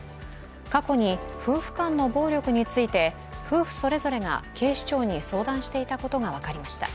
過去に夫婦間の暴力について夫婦それぞれが警視庁に相談していたことが分かりました。